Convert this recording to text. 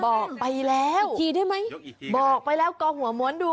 บอกไปแล้วบอกไปแล้วกองหัวหมวนดู